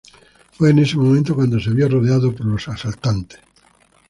Fue en ese momento cuando se vio rodeado por los asaltantes.